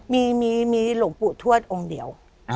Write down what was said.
มีหลวงปู่ทวดองค์เดียว